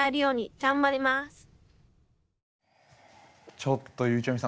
ちょっとゆうちゃみさん